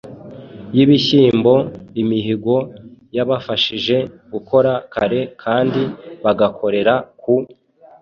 y’ibishyimbo. Imihigo yabafashije gukora kare kandi bagakorera ku